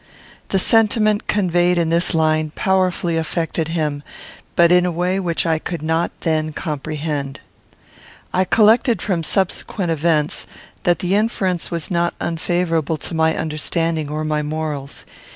The sentiment conveyed in this line powerfully affected him, but in a way which I could not then comprehend. I collected from subsequent events that the inference was not unfavourable to my understanding or my morals.